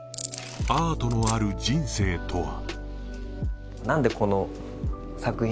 アートのある人生とは？